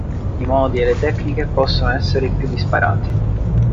I modi e le tecniche possono essere i più disparati.